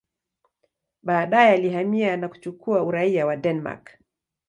Baadaye alihamia na kuchukua uraia wa Denmark.